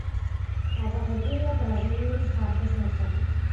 გადაღებულია ბრაზილიური ზღაპრის მიხედვით.